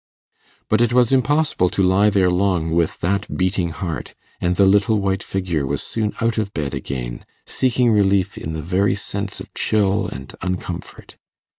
But it was impossible to lie there long with that beating heart; and the little white figure was soon out of bed again, seeking relief in the very sense of chill and uncomfort.